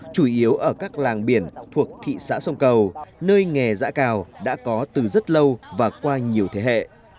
chủ yếu ở các làng biển thuộc thị xã sông cầu nơi nghề giã cào đã có từ rất lâu và qua nhiều thế hệ